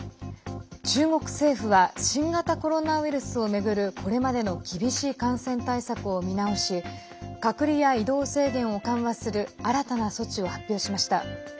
中国政府は新型コロナウイルスを巡るこれまでの厳しい感染対策を見直し隔離や移動制限を緩和する新たな措置を発表しました。